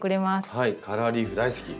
カラーリーフ大好き！